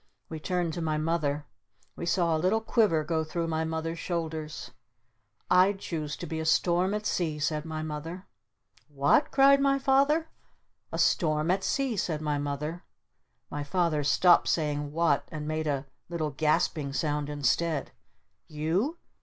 We turned to my Mother. We saw a little quiver go through my Mother's shoulders. "I'd choose to be a Storm at Sea!" said my Mother. "What?" cried my Father. "A Storm at Sea!" said my Mother. My Father stopped saying "What?" And made a little gasping sound instead. "_You?